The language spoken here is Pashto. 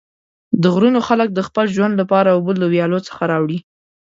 د غرونو خلک د خپل ژوند لپاره اوبه له ویالو څخه راوړي.